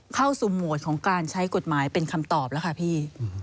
เข้าสู่โหมดของการใช้กฎหมายเป็นคำตอบแล้วค่ะพี่